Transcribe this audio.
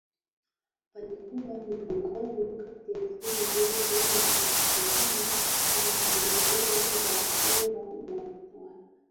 Palikuwa migongano kati ya nchi yetu na wafadhili katika maeneo ya sera na utawala